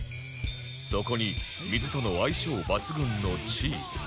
そこに水との相性抜群のチーズ